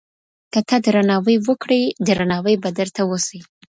که ته درناوی وکړې، درناوی به درته وسي.